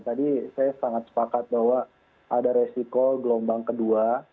tadi saya sangat sepakat bahwa ada resiko gelombang kedua